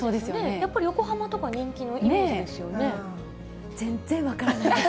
やっぱり横浜とか人気のイメ全然分からないです。